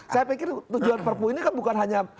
saya pikir tujuan perpu ini kan bukan hanya